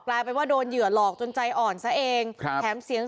ปลายเป็นว่าโดนเหยื่อหลอกจนใจอ่อนซะเอง